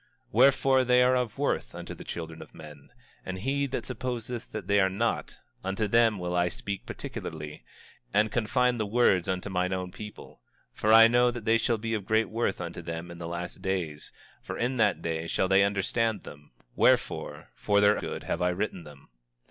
25:8 Wherefore, they are of worth unto the children of men, and he that supposeth that they are not, unto them will I speak particularly, and confine the words unto mine own people; for I know that they shall be of great worth unto them in the last days; for in that day shall they understand them; wherefore, for their good have I written them.